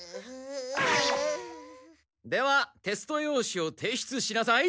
ではテスト用紙を提出しなさい。